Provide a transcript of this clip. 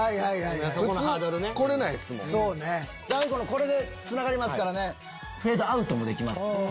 これでつながりますからねフェードアウトもできます。